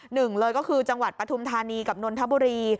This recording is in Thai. หนึ่งเลยก็คือจังหวัดปฐุมธานีกับนนทบุรี